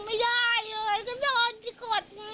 ก็โดนจะกฎไงก้อยโดนให้กฎไง